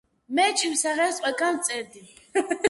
მე ჩემს სახელს ყველგან ვწერდი.